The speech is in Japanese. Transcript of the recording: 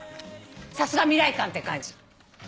さすが未来館って感じ。